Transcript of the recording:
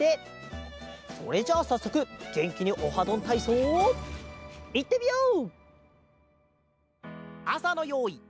それじゃさっそくげんきに「オハどんたいそう」いってみよう！